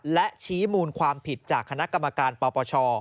และชี้มูลความผิดจากคณะกรรมการปปช